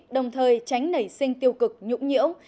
đồng thời tránh nảy sinh tiêu cực nhũng nhiễu